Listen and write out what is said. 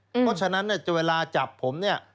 เพราะฉะนั้นเนี่ยเวลาจับผมเนี่ย